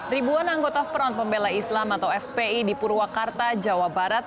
ribuan anggota front pembela islam atau fpi di purwakarta jawa barat